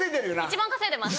一番稼いでます。